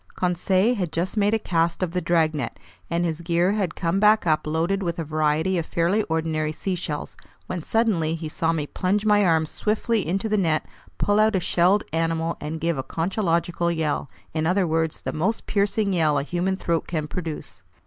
Conseil had just made a cast of the dragnet, and his gear had come back up loaded with a variety of fairly ordinary seashells, when suddenly he saw me plunge my arms swiftly into the net, pull out a shelled animal, and give a conchological yell, in other words, the most piercing yell a human throat can produce.